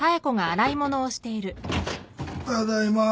ただいま。